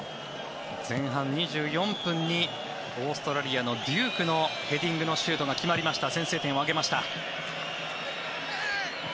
前半２４分にオーストラリアのデュークのヘディングのシュートが決まりました先制点を挙げました。